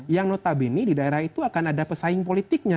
yang notabene di daerah itu akan ada pesaing politiknya